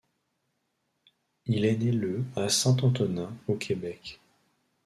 Il est né le à Saint-Antonin, au Québec.